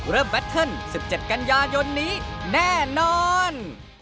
เริ่มแบตเทิล๑๗กันยายนนี้แน่นอน